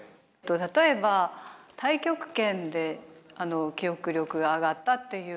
例えば太極拳で記憶力が上がったっていう研究があります。